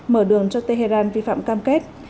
mở đường cho tehran vi phạm cam kết